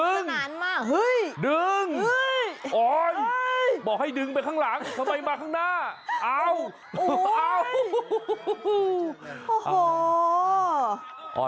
เอ้าเอ้าโอ้โห